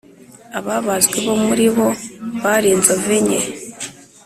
Ababazwe bo muri bo bari inzovu enye